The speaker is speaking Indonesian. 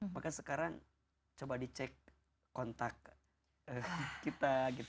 maka sekarang coba dicek kontak kita gitu